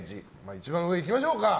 一番上いきましょうか。